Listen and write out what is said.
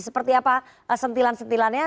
seperti apa sentilan sentilannya